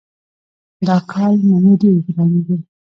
دا کال مڼې ډېرې ګرانې دي.